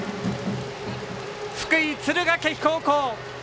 福井・敦賀気比高校。